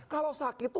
kalau sakit itu